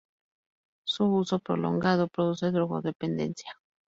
Su uso prolongado produce drogodependencia.